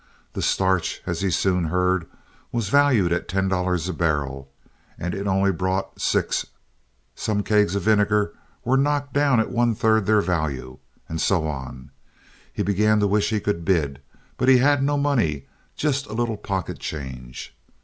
The starch, as he soon heard, was valued at ten dollars a barrel, and it only brought six. Some kegs of vinegar were knocked down at one third their value, and so on. He began to wish he could bid; but he had no money, just a little pocket change.